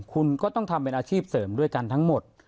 คุณก็ต้องทำเป็นอาชีพเสริมด้วยกันทั้งหมด